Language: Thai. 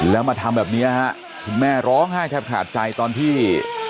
แล้วมาทำแบบนี้ฮะคุณแม่ร้องไห้แทบขาดใจตอนที่